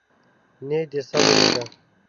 نیت دې سم ونیسه.